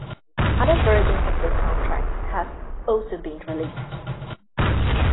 Other versions of this soundtrack have also been released.